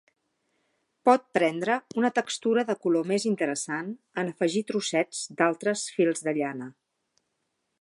Pot prendre una textura de color més interessant en afegir trossets d'altres fils de llana.